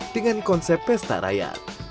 dengan konsep pesta raya